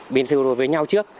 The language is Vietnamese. biên thi đua với nhau trước